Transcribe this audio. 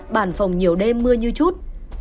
bản phòng nhiều đêm mưa như chút